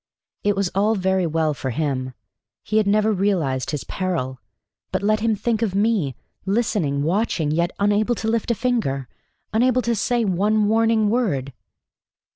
It was all very well for him. He had never realized his peril. But let him think of me listening, watching, yet unable to lift a finger unable to say one warning word.